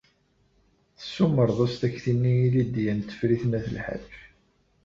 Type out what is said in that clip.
Tessumreḍ-as-d takti-nni i Lidya n Tifrit n At Lḥaǧ.